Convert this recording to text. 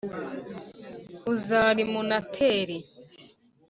• uzarima unatere.